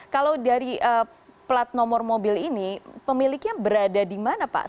kalau dari plat nomor mobil ini pemiliknya berada di mana pak